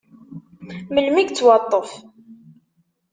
Melmi i yettwaṭṭef?